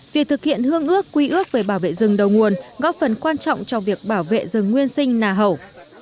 việc thực hiện hương ước quy ước về bảo vệ rừng đầu nguồn góp phần quan trọng cho việc bảo vệ rừng nguyên sinh nà hầu